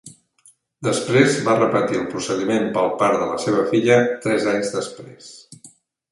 Després va repetir el procediment pel part de la seva filla, tres anys després.